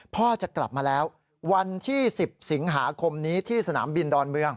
พ่อจะกลับมาแล้ววันที่๑๐สิงหาคมนี้ที่สนามบินดอนเมือง